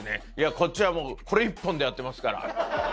こっちはもう、これ一本でやってますから。